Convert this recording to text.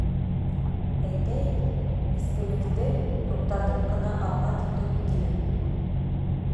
Әйтәйек, эскелекте туҡтатып ҡына алға китеү икеле.